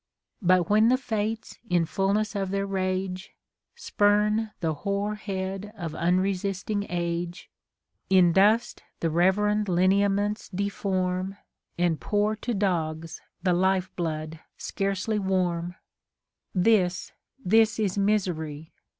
But when the Fates, in fulness of their rage, Spurn tiie hoar head of unresisting age, In dust the reverend lineaments deform, And pour to dogs the life blood scarcelj' warm : This, this is misery